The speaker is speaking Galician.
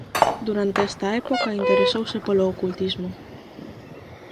Durante esta época interesouse polo ocultismo.